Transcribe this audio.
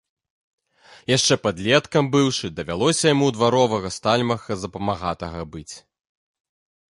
Яшчэ падлеткам быўшы, давялося яму ў дваровага стальмаха за памагатага быць.